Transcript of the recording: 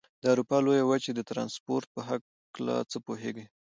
د اروپا لویې وچې د ترانسپورت په هلکه څه پوهېږئ؟